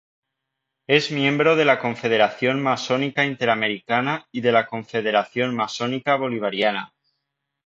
Es miembro de la Confederación Masónica Interamericana y de la Confederación Masónica Bolivariana.